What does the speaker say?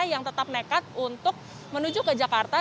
yang tetap nekat untuk menuju ke jakarta